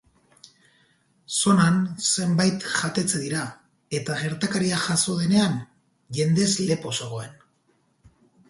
Zonan zenbait jatetxe dira eta gertakaria jazo denean jendez lepo zegoen.